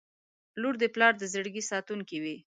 • لور د پلار د زړګي ساتونکې وي.